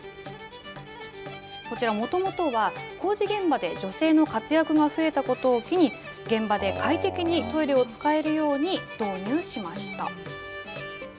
こちらもともとは、工事現場で女性の活躍が増えたことを機に、現場で快適にトイレを使えるように導入しました。